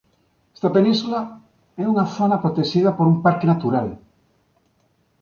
Esta península é unha zona protexida por un Parque natural.